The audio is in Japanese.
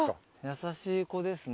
優しい子ですね。